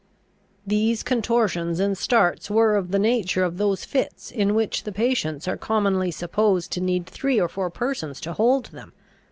These contortions and starts were of the nature of those fits in which the patients are commonly supposed to need three or four persons to hold them.